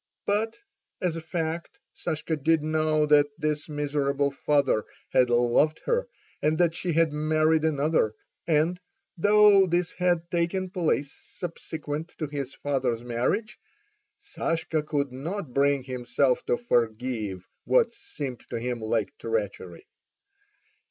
But, as a fact, Sashka did know that his miserable father had loved her, and that she had married another; and, though this had taken place subsequent to his father's marriage, Sashka could not bring himself to forgive what seemed to him like treachery.